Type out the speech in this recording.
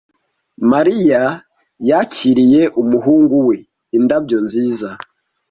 Mariya yakiriye umuhungu we indabyo nziza.